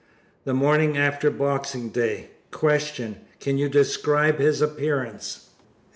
The morning after Boxing Day. Q. Can you describe his appearance?